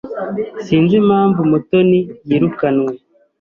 S Sinzi impamvu Mutoni yirukanwe.